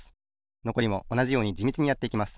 のこりもおなじようにじみちにやっていきます。